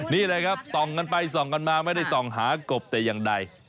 นี่เลยครับส่องกันไปส่องกันมาไม่ได้ส่องหากบแต่อย่างใด